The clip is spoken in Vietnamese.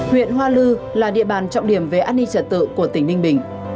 huyện hoa lư là địa bàn trọng điểm về an ninh trật tự của tỉnh ninh bình